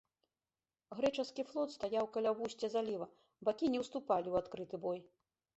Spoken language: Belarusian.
Грэчаскі флот стаяў каля вусця заліва, бакі не ўступалі ў адкрыты бой.